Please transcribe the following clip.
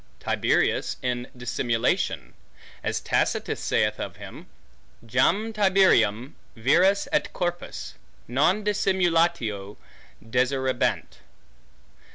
Tiberius in dissimulation; as Tacitus saith of him, Jam Tiberium vires et corpus, non dissimulatio, deserebant.